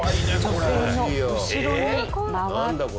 女性の後ろに回って。